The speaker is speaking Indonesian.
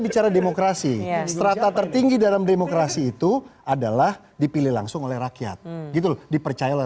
bicara demokrasi serata tertinggi dalam demokrasi itu adalah dipilih langsung oleh rakyat gitu dipercayai